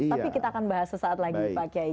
tapi kita akan bahas sesaat lagi pak kiai